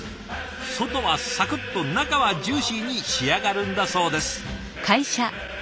外はサクッと中はジューシーに仕上がるんだそうです。